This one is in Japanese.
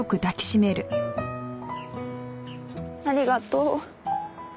ありがとう。